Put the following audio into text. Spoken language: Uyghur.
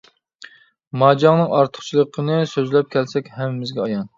ماجاڭنىڭ ئارتۇقچىلىقىنى سۆزلەپ كەلسەك ھەممىمىزگە ئايان.